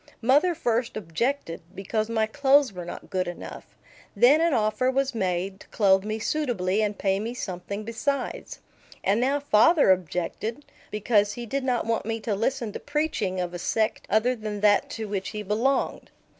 Mother first objected, because my clothes were not good enough. Then an offer was made to clothe me suitably and pay me something besides. And now father objected, because he did not want me to listen to preaching of a sect other than that to which he belonged.